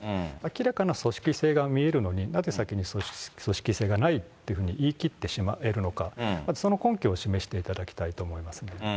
明らかな組織性が見えるのに、なぜ先に組織性がないっていうふうに言いきってしまえるのか、まずその根拠を示していただきたいと思いますね。